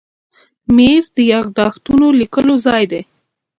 مېز د یاداښتونو لیکلو ځای دی.